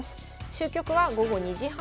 終局は午後２時半過ぎ。